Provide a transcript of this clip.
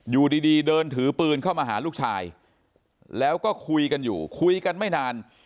อยู่ดีเดินถือปืนเข้ามาหาลูกชายแล้วก็คุยกันอยู่คุยกันไม่นาน